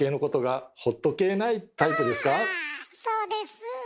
そうです。